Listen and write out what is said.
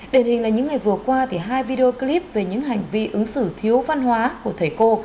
đền hình là những ngày vừa qua hai video clip về những hành vi ứng xử thiếu văn hóa của thầy cô